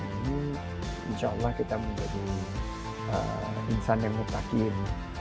insya allah kita menjadi insan yang mutakin